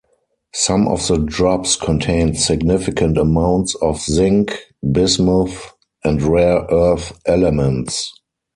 Some of the drops contained significant amounts of zinc, bismuth, and rare earth elements.